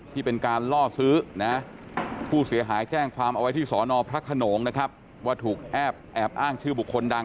ที่เป็นการล่อซื้อ